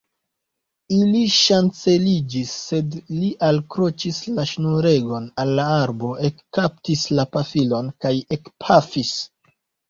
Ili ŝanceliĝis, sed li alkroĉis la ŝnuregon al la arbo, ekkaptis pafilon kaj ekpafis.